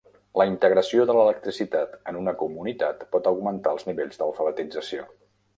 La integració de l'electricitat en una comunitat pot augmentar els nivells d'alfabetització.